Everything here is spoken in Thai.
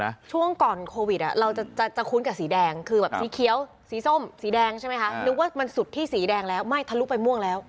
นึกว่ามันสุดที่สีแดงแล้วไม่ทะลุไปม่วงแล้ว